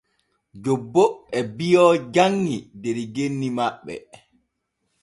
Jobbo e biyo janŋi der genni maɓɓe.